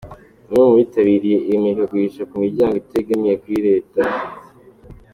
Bamwe mu bitabiriye iri murikagurisha ku miryango itegamiye kuri Leta.